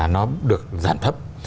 nó được giảm thấp